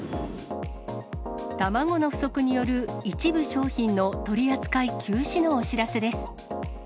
卵の不足による一部商品の取り扱い休止のお知らせです。